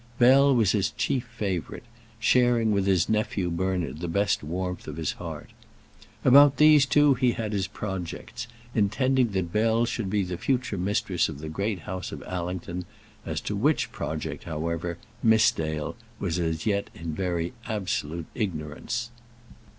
Bell was his chief favourite, sharing with his nephew Bernard the best warmth of his heart. About these two he had his projects, intending that Bell should be the future mistress of the Great House of Allington; as to which project, however, Miss Dale was as yet in very absolute ignorance.